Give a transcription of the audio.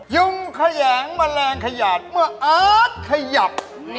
ยุงแขยงแมลงขยาดเมื่ออาร์ตขยับ